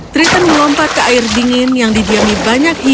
triton melompat ke air dingin yang didiami banyak pengantin